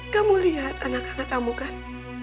kamu lihat anak anak kamu kan